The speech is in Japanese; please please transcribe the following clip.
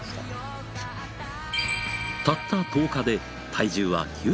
たった１０日で体重は９０グラム。